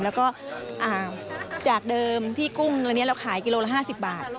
แล้วก็จากเดิมที่กุ้งอันนี้เราขายกิโลละ๕๐บาท